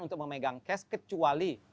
untuk memegang cash kecuali